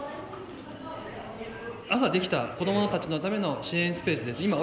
朝出来た子どもたちのための支援スペースです。